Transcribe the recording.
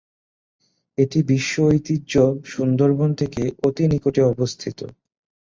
এটি বিশ্ব ঐতিহ্য সুন্দরবন থেকে অতি নিকটে অবস্থিত।